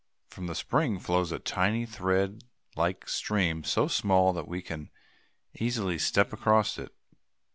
"] From the spring flows a tiny, thread like stream, so small that we can easily step across it.